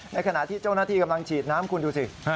ขณะที่เจ้าหน้าที่กำลังฉีดน้ำคุณดูสิ